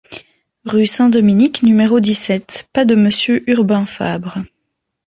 Rue Saint-Dominique, numéro dix-sept, pas de monsieur Urbain Fabre!